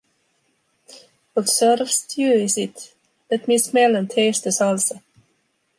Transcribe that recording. What sort of a stew is it? Let me smell and taste the salsa.